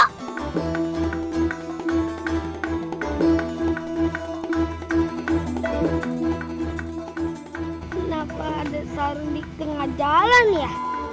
kenapa ada sarung di tengah jalan ya